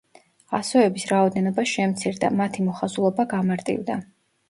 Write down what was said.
ასოების რაოდენობა შემცირდა, მათი მოხაზულობა გამარტივდა.